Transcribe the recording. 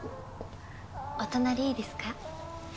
お隣いいですか？